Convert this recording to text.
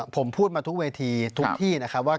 ผมพูดมาทุกเวทีทุกที่นะครับว่า